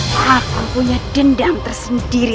siliwangi dan nurjati